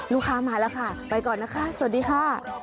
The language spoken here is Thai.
ลูกค้ามาแล้วค่ะไปก่อนนะคะสวัสดีค่ะ